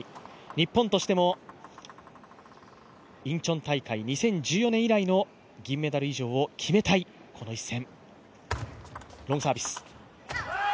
日本としてもインチョン大会、２０１４年以来の銀メダルを決めたいこの一戦。